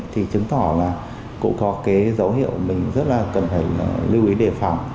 thì chứng tỏ là cũng có dấu hiệu mình rất cần lưu ý đề phòng